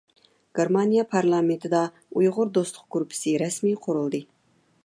گېرمانىيە پارلامېنتىدا «ئۇيغۇر دوستلۇق گۇرۇپپىسى» رەسمىي قۇرۇلدى.